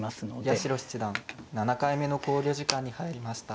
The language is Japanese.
八代七段７回目の考慮時間に入りました。